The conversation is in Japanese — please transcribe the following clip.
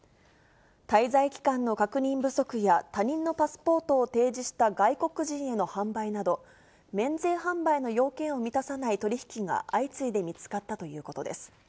滞在期間の確認不足や、他人のパスポートを提示した外国人への販売など、免税販売の要件を満たさない取り引きが相次いで見つかったということです。